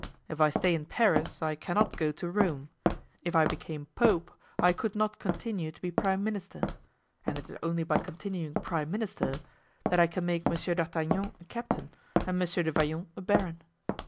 If I stay in Paris I cannot go to Rome; if I became pope I could not continue to be prime minister; and it is only by continuing prime minister that I can make Monsieur d'Artagnan a captain and Monsieur du Vallon a baron."